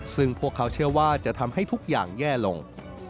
ซึ่งพวกเขาเชื่อว่าจะทำให้ทุกอย่างแย่ลง